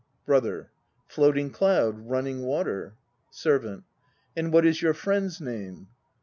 BROTHER. Floating Cloud; Running Water. SERVANT. And what is your friend's name?